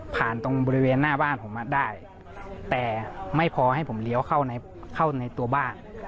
ตรงบริเวณหน้าบ้านผมได้แต่ไม่พอให้ผมเลี้ยวเข้าในตัวบ้าน